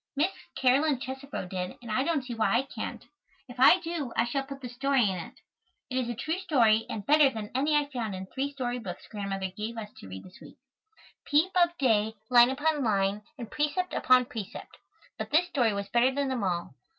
Miss Caroline Chesebro did, and I don't see why I can't. If I do, I shall put this story in it. It is a true story and better than any I found in three story books Grandmother gave us to read this week, "Peep of Day," "Line Upon Line," and "Precept Upon Precept," but this story was better than them all.